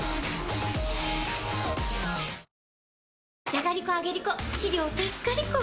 じゃがりこ、あげりこ！